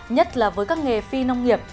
nhất là với các nghề phi nông nghiệp